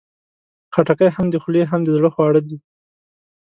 خټکی هم د خولې، هم د زړه خواړه دي.